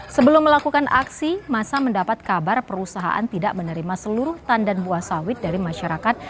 sebelum melakukan aksi masa mendapat kabar perusahaan tidak menerima seluruh tandan buah sawit dari masyarakat